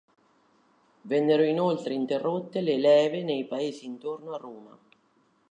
Vennero inoltre interrotte le leve nei paesi intorno a Roma.